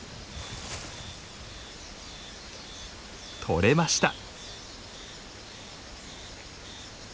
とれました！